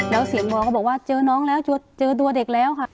แล้วเสียงวอก็บอกว่าเจอน้องแล้วเจอตัวเด็กแล้วค่ะ